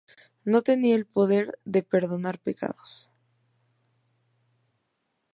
No tenía el poder de perdonar pecados.